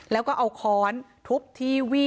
แล้วก็เอาค้อนทุบที่วี่